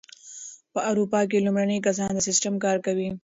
په اروپا کې لومړني کسان دا سیسټم کاروي.